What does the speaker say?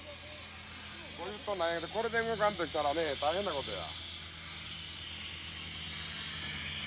これで動かんとしたらね大変なことや。